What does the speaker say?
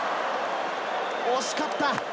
惜しかった。